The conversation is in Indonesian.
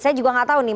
saya juga gak tahu nih